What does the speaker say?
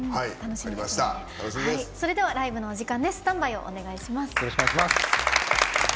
それではライブのお時間です。